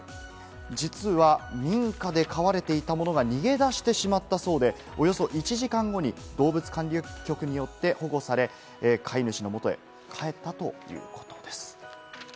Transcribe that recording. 実は民家で飼われていたものが逃げ出してしまったそうで、およそ１時間後に動物管理局によって保護され、飼い主の元へ帰ったということです。